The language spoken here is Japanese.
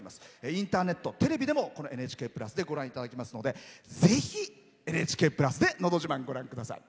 インターネット、テレビでも「ＮＨＫプラス」でご覧いただけますのでぜひ「ＮＨＫプラス」で「のど自慢」ご覧ください。